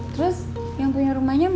terus yang punya rumahnya